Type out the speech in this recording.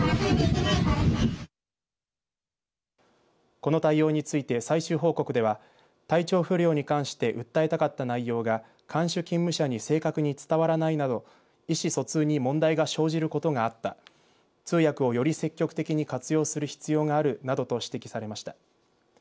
この対応について最終報告では体調不良に関して訴えたかった内容が看守勤務者に正確に伝わらないなど意思疎通に問題が生じることがあった通訳をより積極的に活用する必要があるなどと指摘されました。